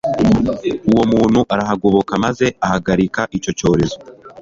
uwo muntu arahagoboka maze ahagarika icyo cyorezo